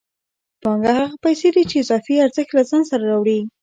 پانګه هغه پیسې دي چې اضافي ارزښت له ځان سره راوړي